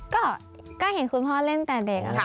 ก็เห็นคุณพ่อเล่นแต่เด็กค่ะ